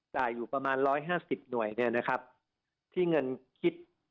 จ่ายอยู่ประมาณ๑๕๐หน่วยเนี่ยนะครับที่เงินคิด